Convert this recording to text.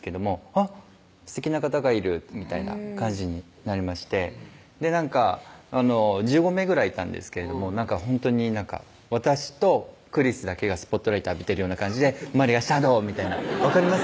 あっすてきな方がいるみたいな感じになりましてなんか１５名ぐらいいたんですけれどもなんかほんとに私とクリスだけがスポットライト浴びてるような感じで周りがシャドウみたいな分かります？